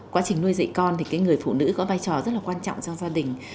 quá trình nuôi dạy con thì cái người phụ nữ có vai trò rất là quan trọng trong gia đình